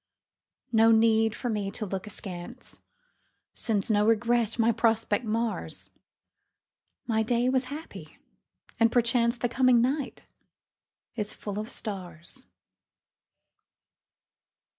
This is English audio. No need for me to look askance, Since no regret my prospect mars. My day was happy and perchance The coming night is full of stars.